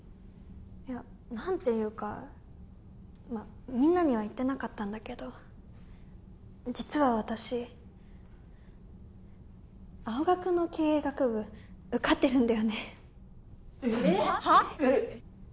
いや何ていうかまっみんなには言ってなかったんだけど実は私青学の経営学部受かってるんだよねえっ！？はっ！？